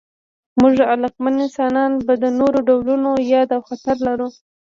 موږ عقلمن انسانان به د نورو ډولونو یاد او خاطره لرو.